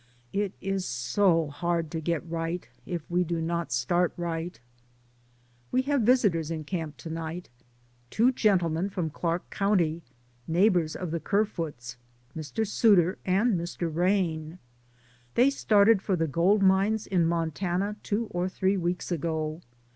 It is so hard to get right, if we do not start right. We have visitors in camp to night, two gentlemen from Clark County, neighbors of the Kerfoots — Mr. Suitor and Mr. Rain. DAYS ON THE ROAD. 41 They started for the gold mines in Montana two or three weeks ago.